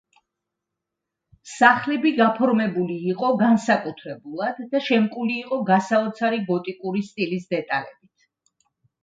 სახლები გაფორმებული იყო განსაკუთრებულად და შემკული იყო გასაოცარი გოტიკური სტილის დეტალებით.